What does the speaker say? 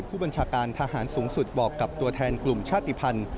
ผู้บัญชาการทหารสูงสุดบอกกับตัวแทนกลุ่มชาติภัณฑ์